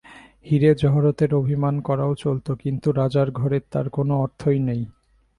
হীরে-জহরতের অভিমান করাও চলত, কিন্তু রাজার ঘরে তার কোনো অর্থই নেই।